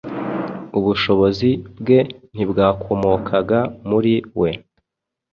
Ubushobozi bwe ntibwakomokaga muri we